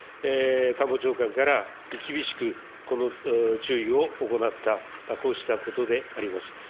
官房長官から厳しく注意を行った、こうしたことであります。